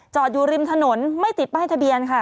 อยู่ริมถนนไม่ติดป้ายทะเบียนค่ะ